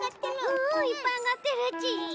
うんいっぱいあがってるち。